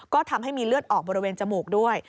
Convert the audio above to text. ก็ทำให้มีเลือดออกบริเวณจมูกด้วย